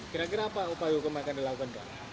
kira kira apa upaya hukum yang akan dilakukan pak